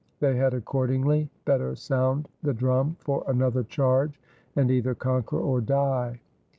They had accordingly better sound the drum for another charge, and either conquer or die.